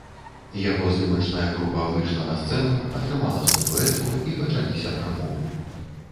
Яго здымачная група выйшла на сцэну, атрымала статуэтку і пачаліся прамовы.